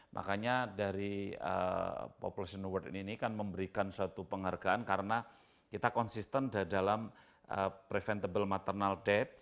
makanya dari population award ini kan memberikan suatu penghargaan karena kita konsisten dalam preventable maternal death